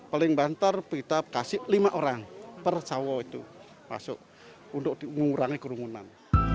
paling bantar kita kasih lima orang per sawo itu masuk untuk mengurangi kerumunan